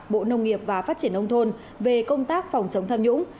bộ nông nghiệp và phát triển nông thôn về công tác phòng chống tham nhũng